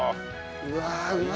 うわうま